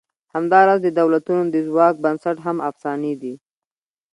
همدا راز د دولتونو د ځواک بنسټ هم افسانې دي.